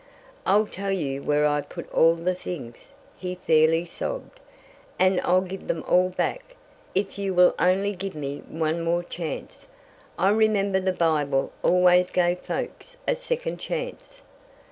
"I'll tell you where I put all the things," he fairly sobbed, "and I'll give them all back, if you will only give me one more chance. I remember the Bible always gave folks a second chance."